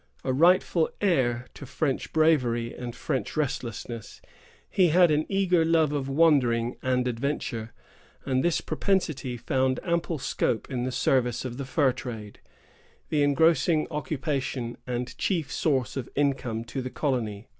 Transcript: A rightful heir to French bravery and French restlessness, he had an eager love of wandering and adventure; and this propensity found ample scope in the service of the fur trade, the engrossing occupation and chief source of income to the colony.